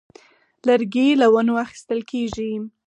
لرګی له ونو اخیستل کېږي.